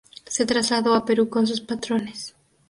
Se trasladó a Perú con sus patrones.